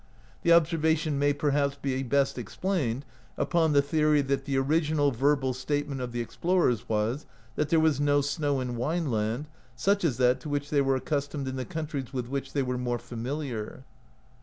The observation may, perhaps, be best explained upon the theory that the original verbal statement of the explorers was, that there was no snow in Wineland, such as that to which they were accustomed in the countries with which they were more familiar.